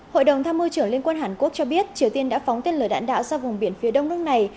hội đồng tham mưu trưởng liên quân hàn quốc cho biết triều tiên đã phóng tên lửa đạn đạo ra vùng biển phía đông nước này